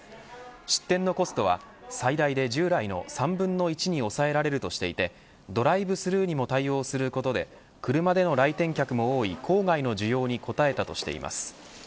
出店のコストは、最大で従来の３分の１に抑えられるとしていてドライブスルーにも対応することで車での来店客も多い郊外の需要にも応えたとしています。